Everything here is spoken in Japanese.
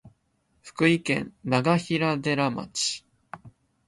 福井県永平寺町